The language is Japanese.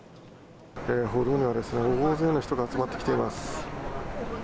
歩道には、大勢の人が集まってきています。